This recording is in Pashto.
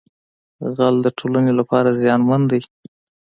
غل د ټولنې لپاره زیانمن دی